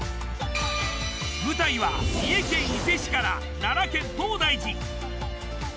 舞台は三重県伊勢市から奈良県東大寺。